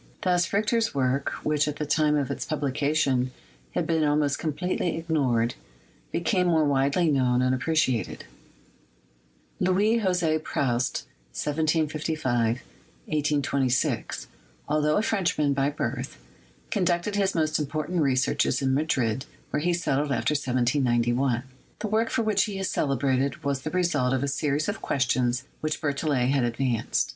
Thus Richter's work, which at the time of its publication had been almost com pletely ignored, became more widely known and appre ciated. Louis Jose Proust (1 755 1826), altho a Frenchman by birth, conducted his most important researches in Madrid, where he settled after 1791. The work for which he is celebrated was the result of a series of questions which Berthollet had advanced.